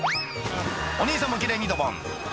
お兄さんも奇麗にドボン